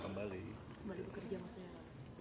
kembali bekerja maksudnya